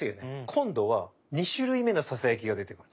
今度は２種類目のささやきが出てくる。